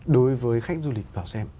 đối với khách du lịch vào xem